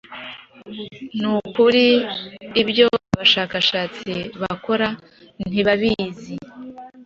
Nukuri Ibyo Ababashakasti Bakora Ntibabizi